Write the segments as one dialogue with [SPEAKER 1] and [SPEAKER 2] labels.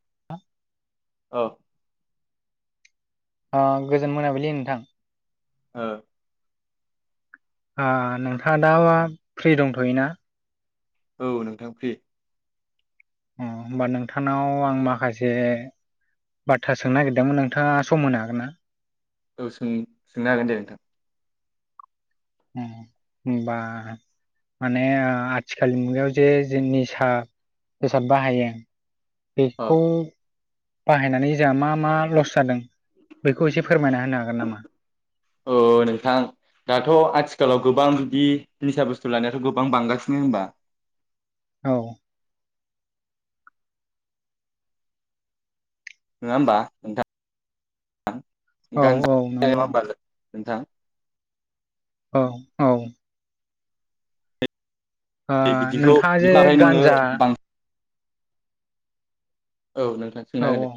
[SPEAKER 1] [unintelligible]
[SPEAKER 2] औ
[SPEAKER 1] ओ गोजोन मोनाबिलि नोंथां
[SPEAKER 2] ओ
[SPEAKER 1] आं नोंथाङा दा फ्रि दंथ'योना
[SPEAKER 2] औ नोंथां फ्रि
[SPEAKER 1] उम होमबा नोंथांनाव आं माखासे बाथा सोंनो नागिरदोंमोन नोंथाङा सम होनो हागोन ना
[SPEAKER 2] औ सोंनो, सोंनो हागोन दे नोंथां
[SPEAKER 1] उम होमबा माने आथिखालनि मुगायाव जे जों निसा बेसाद बाहायो
[SPEAKER 2] औ
[SPEAKER 1] बेखौ बाहायनानै जोंहा मा मा लस जादों बेखौ एसे फोरमायना होनो हागोन नामा?
[SPEAKER 2] औ औ नोंथां। दाथ' आथिखालाव गोबां बिदि निसा बुस्थु लानायाथ' गोबां बांगासिनो होनबा।
[SPEAKER 1] औ।
[SPEAKER 2] नङा होमबा नोंथां।
[SPEAKER 1] औ औ नंगौ
[SPEAKER 2] [unintelligible] नोंथां।
[SPEAKER 1] औ औ। ओ
[SPEAKER 2] बिदिखौ
[SPEAKER 1] नोंथाङा जे
[SPEAKER 2] बिनिफ्राय नोङो
[SPEAKER 1] गान्जा
[SPEAKER 2] बां औ नोंथां सोंनो
[SPEAKER 1] औ
[SPEAKER 2] हागोन।
[SPEAKER 1] औ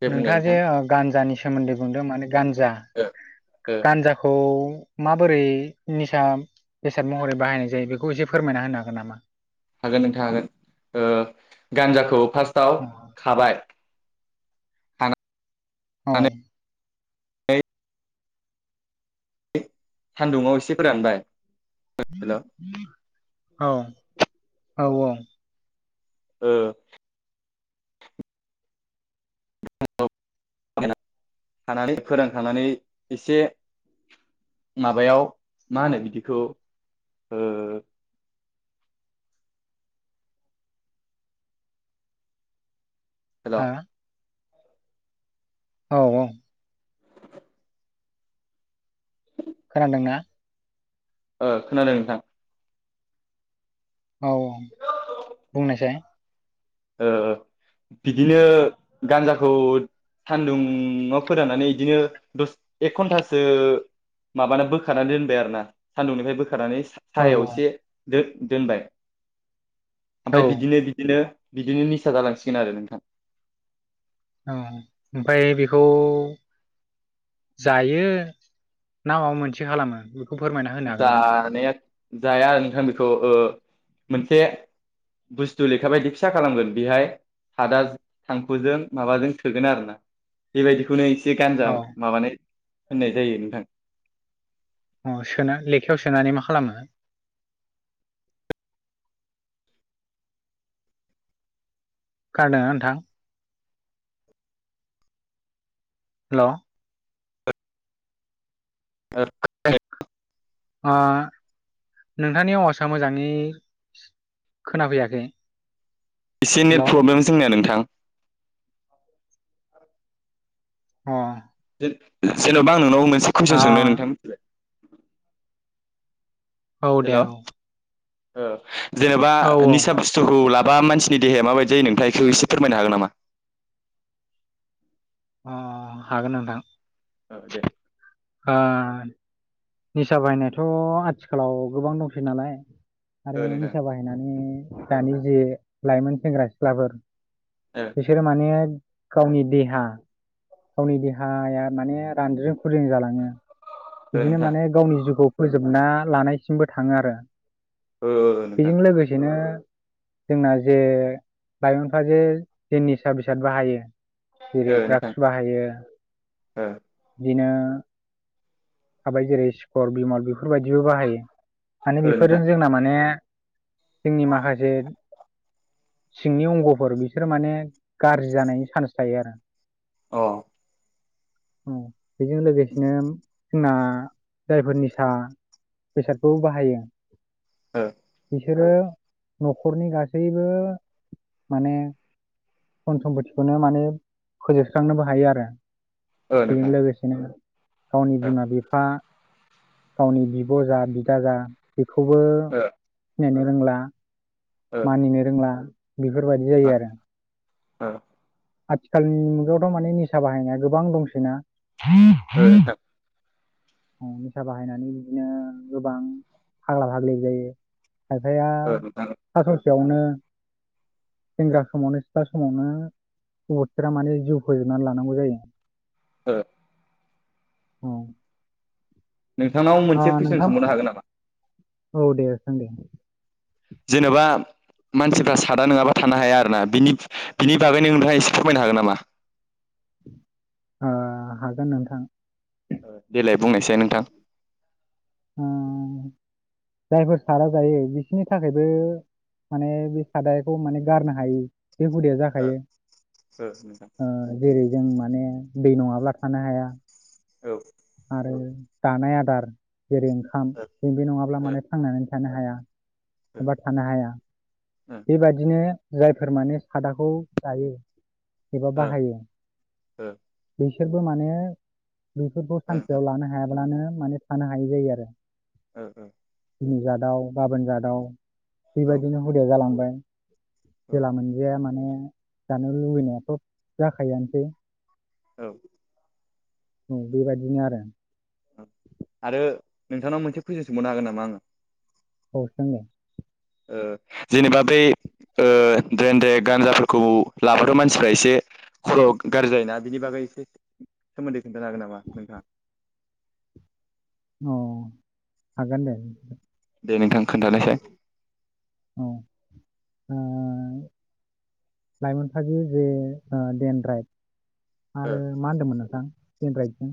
[SPEAKER 2] दे बुंलाय
[SPEAKER 1] नोंथाङा जे
[SPEAKER 2] नोंथां
[SPEAKER 1] गान्जानि सोमोन्दै बुंदों माने गान्जा
[SPEAKER 2] ओ ओ
[SPEAKER 1] गान्जाखौ माबोरै निसा बेसाद महरै बाहायनाय जायो बेखौ एसे फोरमायना होनो हागोन नामा?
[SPEAKER 2] हागोन नोंथां हागोन ओ गान्जाखौ फार्स्टआव
[SPEAKER 1] औ
[SPEAKER 2] खाबाय खानानै
[SPEAKER 1] औ।
[SPEAKER 2] न सान्दुङाव एसे फोरानबाय। हेल'
[SPEAKER 1] औ औ औ।
[SPEAKER 2] ओ। फोरोंखांनानै एसे माबायाव मा होनो बिदिखौ ओ हेल'
[SPEAKER 1] हा औ औ। खोनदोंना?
[SPEAKER 2] ओ खोनादों नोंथां।
[SPEAKER 1] औ बुंनायसाय।
[SPEAKER 2] ओ बिदिनो गान्जाखौ सान्दुंङाव फोराननानै बिदिनो दसे एक घन्टासो माबाना बोखानानै दोनबाय आरो ना सान्दुंनिफ्राय बोख होखारनानै
[SPEAKER 1] औ
[SPEAKER 2] सायहायाव एसे दोनबाय
[SPEAKER 1] औ
[SPEAKER 2] ओमफ्राय बिदिनो बिदिनो बिदिनो निसा जालांसिगोन आरो नोंथां।
[SPEAKER 1] औ ओमफ्राय बेखौ जायो ना माबा मोनसे खालामो बेखौ फोरमायना होनो हागोन नामा?
[SPEAKER 2] जानाया जाया आरो नोंथां बेखौ मोनसे बुस्थु लेखा बायदि फिसा खालामगोन बेहाय सादा थांखुजों माबाजों सोगोन आरोना बेबायदिखौनो एसे गानजा
[SPEAKER 1] औ
[SPEAKER 2] माबानाय होननाय जायो नोंथां।
[SPEAKER 1] औ सोना लेखायाव सोनानै मा खालामो? खोनादोंना नोंथां? हेलौ।
[SPEAKER 2] [inaudible]
[SPEAKER 1] ओ। नोंथांनि आवासआ मोजाङै खोनाफैयाखै।
[SPEAKER 2] एसे नेट
[SPEAKER 1] हेल'
[SPEAKER 2] प्रब्लेम जोंनिया नोंथां।
[SPEAKER 1] अ।
[SPEAKER 2] जेनबा आं नोंनाव मोनसे
[SPEAKER 1] आ
[SPEAKER 2] कुइसन सोंनो नोंथां?
[SPEAKER 1] औ दे औ।
[SPEAKER 2] ओ जेनेबा
[SPEAKER 1] औ औ
[SPEAKER 2] निसा बुस्थुखौ ला बा मानसिनि देहाया माबायदि जायो नोंथाङा इखौ एसे फोरमायनो हागोन नामा?
[SPEAKER 1] अ हागोन नोंथां।
[SPEAKER 2] औ दे।
[SPEAKER 1] आ निसा बायनायाथ आथिखालाव गोबां दंसै नालाय आरो
[SPEAKER 2] ओ नोंथां
[SPEAKER 1] निसा बाहायनानै दानि जे लाइमोन सेंग्रा सिख्लाफोर बिसोरो माने गावनि देहा गावनि देहाया माने रानद्रजों खुज्रों जालाङो।
[SPEAKER 2] ओ
[SPEAKER 1] बिदिनो
[SPEAKER 2] नोंथां
[SPEAKER 1] माने गावनि जिउखौ फोजोबना लानायसिमबो थाङो आरो।
[SPEAKER 2] ओ ओ नोंथां
[SPEAKER 1] बेजों लोगोसेनो जोंना जे लाइमोनफ्रा जे जे निसा बेसाद बाहायो जेरै
[SPEAKER 2] ओ
[SPEAKER 1] -
[SPEAKER 2] नोंथां
[SPEAKER 1] ड्राग्स बाहायो
[SPEAKER 2] ओ।
[SPEAKER 1] बिदिनो थाबाय जेरै सि्कर बिमल बेफोरबायदिबो बाहायो। माने
[SPEAKER 2] ओ
[SPEAKER 1] बेफोरजों
[SPEAKER 2] नोंथां
[SPEAKER 1] जोंना माने जोंनि माखासे सिंनि अंगफोर बिसोरो माने गाज्रि जानायनि चान्स थायो आरो।
[SPEAKER 2] अ।
[SPEAKER 1] औ बेजों लोगोसेनो जोंना जायफोर निसा बेसादखौ बाहायो
[SPEAKER 2] ओ।
[SPEAKER 1] बिसोरो नखरनि गासैबो माने घन सम्फथिखौनो माने फोजोबस्रांनोबो हायो आरो।
[SPEAKER 2] ओ
[SPEAKER 1] बेजों
[SPEAKER 2] नोंथां
[SPEAKER 1] लोगोसेनो गावनि बिमा बिफा गावनि बिब' जा बिदा जा बेखौबो
[SPEAKER 2] ओ
[SPEAKER 1] सिनायनो रोंला
[SPEAKER 2] ओ
[SPEAKER 1] मानिनो रोंला बेफोरबायदि जायो आरो।
[SPEAKER 2] ओ।
[SPEAKER 1] आथिखालनि मुगायावथ' माने निसा बाहायनाया गोबां दंसै ना?
[SPEAKER 2] ओ
[SPEAKER 1] उम निसा बाहायनानै बिदिनो गोबां फाग्ला फाग्लि जायो। खायफाया
[SPEAKER 2] ओ नोंथां
[SPEAKER 1] सा ससेयावनो सेंग्रा समावनो सिख्ला समावनो अबथिरा माने जिउ फोजोबनानै लानांगौ जायो।
[SPEAKER 2] ओ।
[SPEAKER 1] औ।
[SPEAKER 2] नोंथांनाव
[SPEAKER 1] ओ
[SPEAKER 2] मोनसे कुइसन
[SPEAKER 1] नोंथां
[SPEAKER 2] सोंहरनो हागोन नामा?
[SPEAKER 1] औ दे सों दे।
[SPEAKER 2] जेनोबा मानसिफ्रा सादा नङाबा थानो हाया आरोना बिनि बिनि बागैनो नोंथाङा एसे फोरमायनो हागोन नामा?
[SPEAKER 1] ओ हागोन नोंथां।
[SPEAKER 2] ओ देलाय बुंनायसै नोंथां।
[SPEAKER 1] उम जायफोर सादा जायो बिसिोरनि थाखायबो माने बे सादाखौ माने गारनो हायै बे हुदिया
[SPEAKER 2] ओ
[SPEAKER 1] जाखायो। ओ जेरै जों मा ने दै नङाब्ला थानो हाया। आरो जानाय आदार जेरै- ओंखाम जों बे नङाब्ला माने थांनानै थानो हाया एबा थानो हाया। बेबायाददिनो जायफोर माने सादाखौ जायो एबा बाहायो
[SPEAKER 2] ओ।
[SPEAKER 1] बिसोरबो माने बेफोरखौ
[SPEAKER 2] नोंथां
[SPEAKER 1] सानसेयाव लानो हायाब्लानो माने थानो हायै जायो आरो।
[SPEAKER 2] ओ ओ।
[SPEAKER 1] दिनै जादाव गाबोन जादाव
[SPEAKER 2] ओ
[SPEAKER 1] बेबायदिनो हुदाया जालांबाय।
[SPEAKER 2] ओ
[SPEAKER 1] जेला मोनजाया माने जानो लुबैनायाथ' जाखायोआनोसै।
[SPEAKER 2] औ।
[SPEAKER 1] औ बेबायदिनो आरो।
[SPEAKER 2] आरो नोंथांनाव मोनसे कुइसन सोंबावनो हागोन नामा आङो?
[SPEAKER 1] औ सों दे।
[SPEAKER 2] जेनेबा बै ओ द्रेेन देड गान्जाफोरखौ लाबाथ मानसिफ्रा एसे खर गाज्रि जायोना बिनि बागै एसे सोमोन्दै खिन्थानो हागोन नामा नोंथाङा?
[SPEAKER 1] अ हागोन दे
[SPEAKER 2] दे नोंथां खोन्थानायसै।
[SPEAKER 1] लाइमोनफ्राबो जे दे्नद्राइ
[SPEAKER 2] ओ
[SPEAKER 1] आरो मा होनदोंमोन नोंथां द्रेन द्राइडजों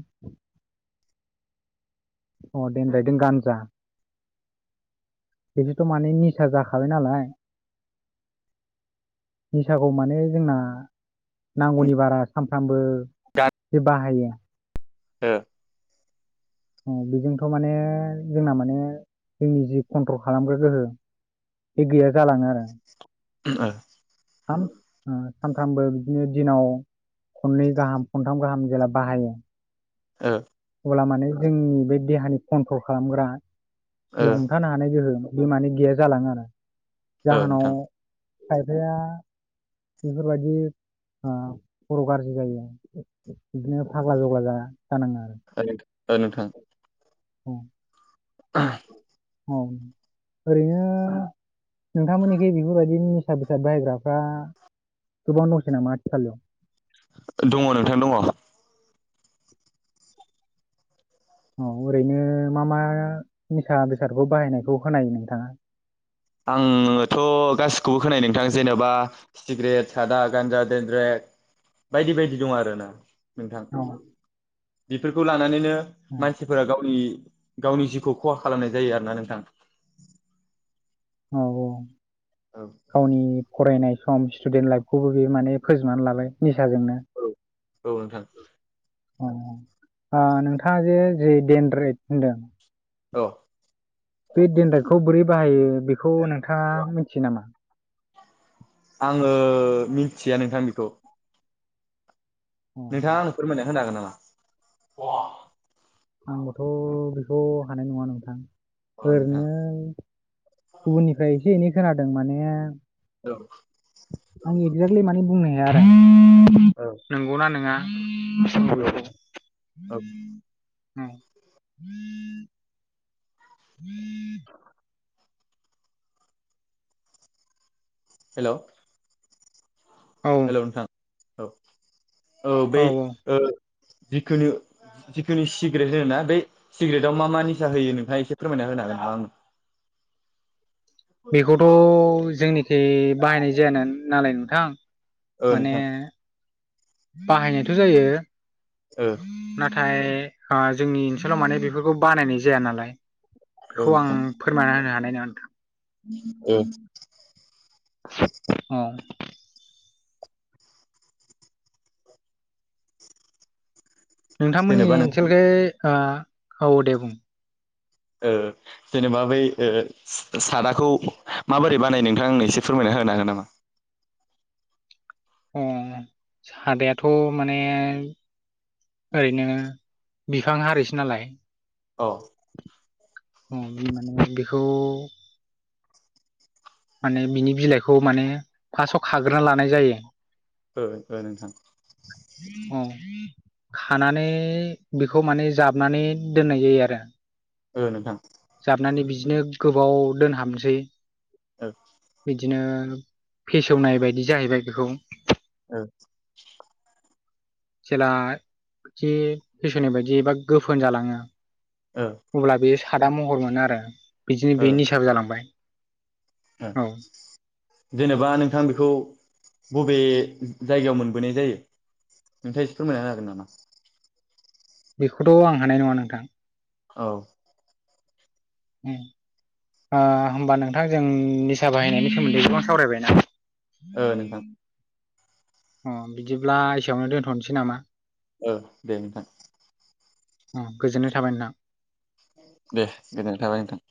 [SPEAKER 1] अ द्रेन द्राइडजों गानजा। बिदिथ' माने निसा जाखाबाय नालाय। निसाखौ माने जोंना नांगौनि बारा सानफ्रामबो
[SPEAKER 2] गा
[SPEAKER 1] जे बाहायो।
[SPEAKER 2] ओ
[SPEAKER 1] [inaudible] बेजोंथ' माने जोंना माने जोंनि जि कन्ट्रल खालामग्रा गोहो। बे गैया जालाङो आरो।
[SPEAKER 2] ओ
[SPEAKER 1] साम सानफ्रामबो बिदिनो दिनाव खननै गाहाम खनथाम गाहाम जेला बाहायो।
[SPEAKER 2] ओ
[SPEAKER 1] अब्ला माने जोंनि बे देहानि कन्ट्रल खालामग्रा
[SPEAKER 2] ओ
[SPEAKER 1] जि हमथानो हानाय गोहोम। बिमानि गैया जालाङो आरो
[SPEAKER 2] ओ
[SPEAKER 1] जाहोनाव
[SPEAKER 2] नोंथां
[SPEAKER 1] खायफाया बेफोरबायदि खर' गाज्रि जायो बिदिनो फाग्ला जग्ला जानाङो आरो।
[SPEAKER 2] ओ नोंथां।
[SPEAKER 1] औ
[SPEAKER 2] [unintelligible]
[SPEAKER 1] औ ओरैनो। नोंथांमोननिखै बेफोरबायदि निसा बेसाद बाहायग्राफ्रा गोबां दंसै नामा आथिखालाव।
[SPEAKER 2] दङ नोंथां दङ।
[SPEAKER 1] औ ओरैनो मा मा निसा बेसादखौ बाहायनायखौ खोनायो नोंथाङा।
[SPEAKER 2] आङोथ' गासिखौबो खोनायो नोंथां जेनेबा सिगारेट सादा गान्जा देनद्रेक। बायदि बायदि दं आरोना। नोंथां
[SPEAKER 1] औ
[SPEAKER 2] बेफोरखौ लानानैनो
[SPEAKER 1] औ
[SPEAKER 2] मानसिफोरा गावनि गावनि जिउखौ खहा खालामनाय जायो आरोना नोंथां।
[SPEAKER 1] औ औ
[SPEAKER 2] औ
[SPEAKER 1] गावनि फरायनाय सम स्टुडेन्ट लाइफखौबो बे माने फोजोबनानै लाबाय निसाजोंनो।
[SPEAKER 2] औ औ नोंथां।
[SPEAKER 1] ओ नोंथाङा जे जि देनद्रेद होनदों।
[SPEAKER 2] औ
[SPEAKER 1] बे देनद्रखौ बोरै बाहायो बेखौ नोंथाङा मिथियो नामा?
[SPEAKER 2] आङो मिथिया नोंथां बिखौ।
[SPEAKER 1] अ
[SPEAKER 2] नोंथाङा नों फोरमायना होनो हागोन नामा?
[SPEAKER 1] आंबोथ' बेखौ हानाय नङा नोंथां।
[SPEAKER 2] अ नोंथां
[SPEAKER 1] ओरैनोै गुबुननिफ्राय एसे एनै खोनादों माने।
[SPEAKER 2] औ।
[SPEAKER 1] आं एक्जेक्टलि माने बुंनो हाया आरो
[SPEAKER 2] औ
[SPEAKER 1] नंगौना नङा। बेखौ
[SPEAKER 2] औ औ।
[SPEAKER 1] ओम। हम
[SPEAKER 2] हेलौ।
[SPEAKER 1] औ
[SPEAKER 2] हेल' नोंथां औ औ बै ओ जिखुनु। जिखुननि सिग्रेट होन ना बे सिग्रेआव मा मा निसा होयो नोंथाङा एसे फोरमायना होनो हागोन नामा।
[SPEAKER 1] बेखौथ' जोंनिखि बाहायनाय जायानो नालाय नोंथां।
[SPEAKER 2] ओ
[SPEAKER 1] माने
[SPEAKER 2] नोंथां
[SPEAKER 1] बाहायनायथ' जायो।
[SPEAKER 2] ओ।
[SPEAKER 1] नाथाय ओ जोंनि ओनसोलाव माने बेफोरखौ बानायनाय जाया नालाय।
[SPEAKER 2] औ
[SPEAKER 1] बेखौ आं फोरमायना होनो हानाय नङा नोंथां।
[SPEAKER 2] औ।
[SPEAKER 1] औ। नोंथांमोननि
[SPEAKER 2] जेनेबा नोंथां
[SPEAKER 1] ओनसोलखै औ दे बुं।
[SPEAKER 2] ओ। जेनेबा बै ओ सादाखौ माबोरै बानाय नोंथां आं एसे फोरमायना होनो हागोन नामा?
[SPEAKER 1] ओ सादायाथ' माने। ओरैनो बिफां हारिसो नालाय।
[SPEAKER 2] औ।
[SPEAKER 1] माने बिखौ। माने बिनि बिलाइखौ माने फार्स्टआव खाग्रोना लानाय जायो।
[SPEAKER 2] ओ ओ नोंथां।
[SPEAKER 1] औ खानानै बेखौ।
[SPEAKER 2] औ नोंथां।
[SPEAKER 1] जाबनानै बिदिनो गोबाव दोनहाबसै।
[SPEAKER 2] औ।
[SPEAKER 1] बिदिनो फेसेवनाय बायदि जाहैबाय बेखौ।
[SPEAKER 2] ओ।
[SPEAKER 1] जेला जि फेसननि बायदि एबा गोफोन जालाङो।
[SPEAKER 2] ओ
[SPEAKER 1] अब्ला बेयो सादा महर मोनो आरो बिदिनो
[SPEAKER 2] ओ
[SPEAKER 1] बे निसाबो जालांबाय।
[SPEAKER 2] ओ
[SPEAKER 1] औ
[SPEAKER 2] जेनेबा नोंथां बेखौ। बबे जायगायाव मोनबोनाय जायो नोंथाङा एसे फोरमायना मोनो हागोन नामा?
[SPEAKER 1] बेखौथ' आं हानाय नङा नोंथां।
[SPEAKER 2] औ।
[SPEAKER 1] ओम। ओ होमबा नोंथांजों निसा बाहायनायनि सोमोन्दै गोबां सावरायबाय ना?
[SPEAKER 2] ओ नोंथां।
[SPEAKER 1] अ बिदिब्ला एसेयावनो दोनथ'।
[SPEAKER 2] ओ दे नोंथां।
[SPEAKER 1] अम।
[SPEAKER 2] दे गोजोन थाबाय नोंथां।